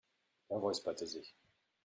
Er räusperte sich.